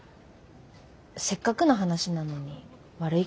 せっかくの話なのに悪いけど。